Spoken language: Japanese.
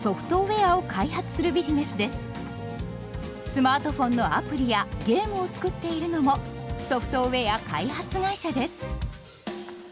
スマートフォンのアプリやゲームを作っているのもソフトウェア開発会社です。